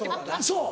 そう。